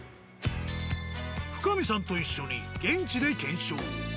深見さんと一緒に現地で検証。